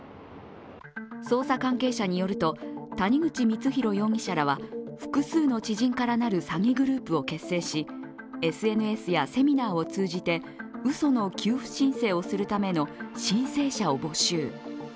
捜査関係者によると谷口光弘容疑者らは複数の知人からなる詐欺グループを結成しＳＮＳやセミナーを通じてうその給付申請をするための申請者を募集。